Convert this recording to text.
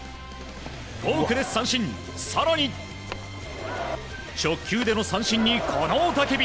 フォークで三振、更に直球での三振にこの雄たけび。